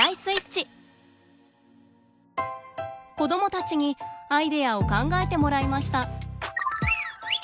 子どもたちにアイデアを考えてもらいました。